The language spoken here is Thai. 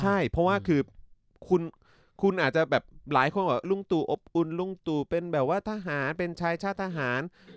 ใช่เพราะว่าคือคุณอาจจะแบบหลายคนบอกลุงตู่อบอุ่นลุงตู่เป็นแบบว่าทหารเป็นชายชาติทหาร